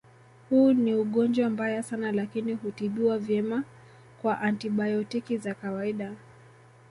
Huu ni ugonjwa mbaya sana lakini hutibiwa vyema kwa antibayotiki za kawaida